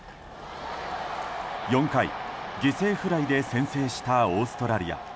４回、犠牲フライで先制したオーストラリア。